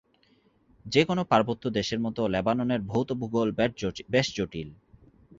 যে কোনও পার্বত্য দেশের মতো লেবাননের ভৌত ভূগোল বেশ জটিল।